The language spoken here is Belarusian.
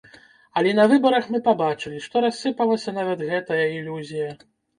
Але на выбарах мы пабачылі, што рассыпалася нават гэтая ілюзія.